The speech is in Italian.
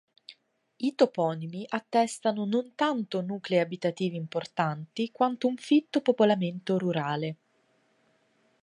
I toponimi attestano non tanto nuclei abitativi importanti quanto un fitto popolamento rurale.